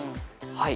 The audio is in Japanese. はい。